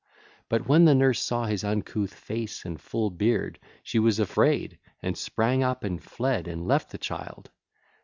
But when the nurse saw his uncouth face and full beard, she was afraid and sprang up and fled and left the child.